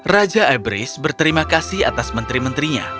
raja ibris berterima kasih atas menteri menterinya